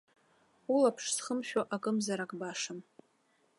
Улаԥш зхымшәо акымзарак башам.